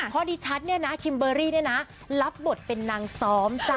เพราะดิฉันเนี่ยนะคิมเบอร์รี่เนี่ยนะรับบทเป็นนางซ้อมจ้ะ